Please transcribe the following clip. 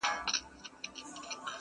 آیینې ولي مي خوبونه د لحد ویښوې!!